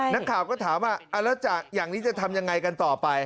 นักข่าวก็ถามอ่ะอย่างนี้จะทำอย่างไรกันต่อไป